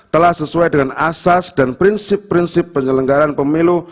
telah sesuai dengan asas dan prinsip prinsip penyelenggaran pemilu